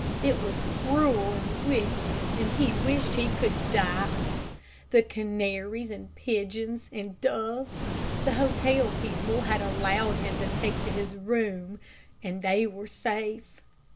It was cruel and wicked, and he wished he could die. The canaries, and pigeons, and doves, the hotel people had allowed him to take to his room, and they were safe.